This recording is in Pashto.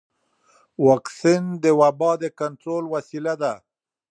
واکسن د وبا د کنټرول وسیله ده.